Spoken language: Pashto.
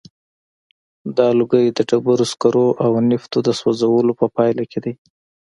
دا لوګی د ډبرو سکرو او نفتو د سوځولو په پایله کې دی.